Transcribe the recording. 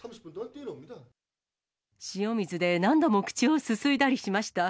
塩水で何度も口をすすいだりしました。